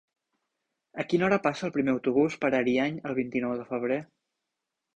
A quina hora passa el primer autobús per Ariany el vint-i-nou de febrer?